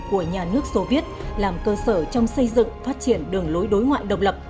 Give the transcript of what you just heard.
của nhà nước soviet làm cơ sở trong xây dựng phát triển đường lối đối ngoại độc lập